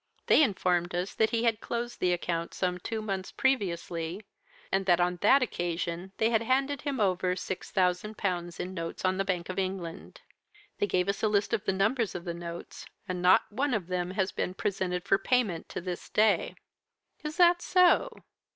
They informed us that he had closed the account some two months previously, and that on that occasion they had handed him over six thousand pounds in notes on the Bank of England. They gave us a list of the numbers of the notes; and not one of them has been presented for payment to this day.' "'Is that so?'